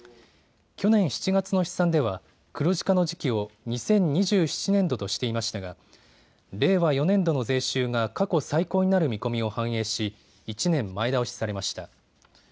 去年７月の試算では黒字化の時期を２０２７年度としていましたが令和４年度の税収が過去最高になる見込みを反映し１年前倒しされました。